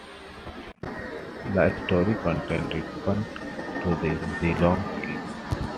The story contains reference to the Geelong Keys.